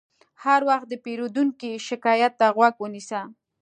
هر وخت د پیرودونکي شکایت ته غوږ ونیسه.